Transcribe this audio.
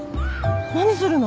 何するの？